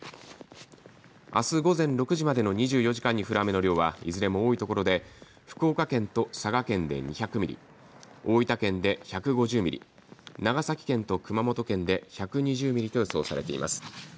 あす午前６時までの２４時間に降る雨の量はいずれも多いところで福岡県と佐賀県で２００ミリ、大分県で１５０ミリ、長崎県と熊本県で１２０ミリと予想されています。